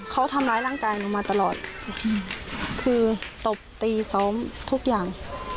เขาทำร้ายร่างกายหนูมาตลอดคือตบตีซ้อมทุกอย่าง